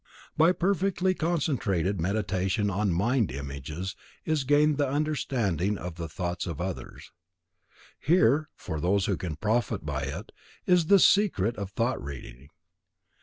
By perfectly concentrated Meditation on mind images is gained the understanding of the thoughts of others. Here, for those who can profit by it, is the secret of thought reading.